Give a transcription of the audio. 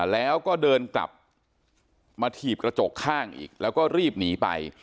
แล้วก็เดินกลับมาถีบกระจกข้างอีกแล้วก็รีบหนีไป